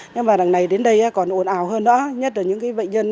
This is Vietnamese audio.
nhất là những cái bệnh nhân